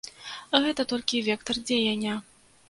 Гэта толькі вектар дзеяння.